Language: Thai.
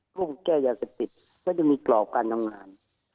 ห้มพวกมันแก้และศัตรินเขาจะมีกรอกการทำงาน